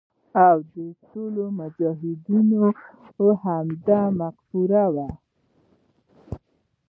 او د ټولو مجاهدینو همدا مفکوره وي.